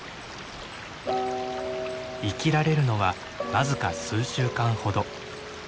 生きられるのは僅か数週間ほど。